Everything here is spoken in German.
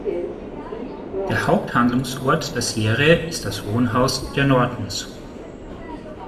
Der Haupthandlungsort der Serie ist das Wohnhaus der Nortons.